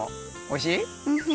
おいしい。